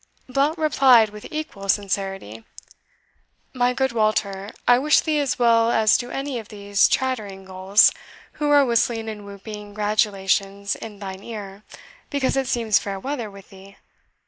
Blount replied with equal sincerity "My good Walter, I wish thee as well as do any of these chattering gulls, who are whistling and whooping gratulations in thine ear because it seems fair weather with thee.